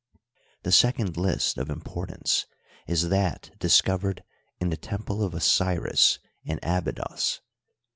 The second list of importance is that discovered in the temple of Osiris in Abydos.